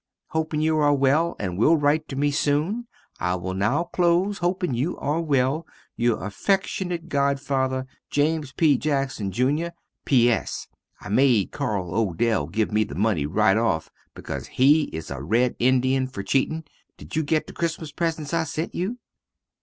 Hoping you are well and will rite to me soon I will now close hoping you are well. Your affeckshunate godfather, James P. Jackson Jr. P.S. I made Carl Odell give me the money rite off becaus he is a Red Indian fer cheatin. Did you get the Christmas presents I sent you?